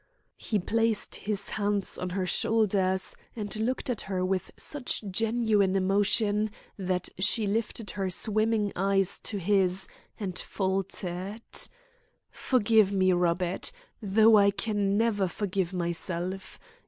He placed his hands on her shoulders, and looked at her with such genuine emotion that she lifted her swimming eyes to his, and faltered: "Forgive me, Robert, though I can never forgive myself.